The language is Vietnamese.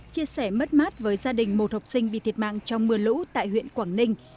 chia sẻ mất mát với gia đình một học sinh bị thiệt mạng trong mưa lũ tại huyện quảng ninh